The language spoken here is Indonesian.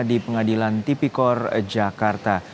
di pengadilan tipikor jakarta